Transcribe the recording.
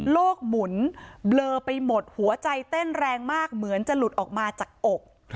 หมุนเบลอไปหมดหัวใจเต้นแรงมากเหมือนจะหลุดออกมาจากอก